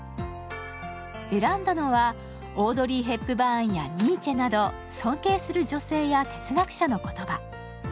選んだのは、オードリー・ヘプバーンやニーチェなど尊敬する女性や哲学者の言葉。